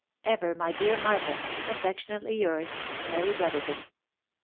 " Ever, my dear Martha, " Affectionately yours, " Mary Brotpierton."